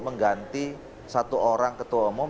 mengganti satu orang ketua umum